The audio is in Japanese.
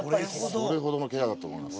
それほどのケガだと思います。